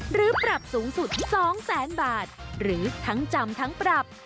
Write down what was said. หรือปรับสูงสุด๒แสนบาทหรือทั้งจำทั้งปรับ